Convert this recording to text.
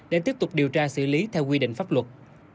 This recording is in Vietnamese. để tiếp tục điều tra xử lý theo quy định pháp luật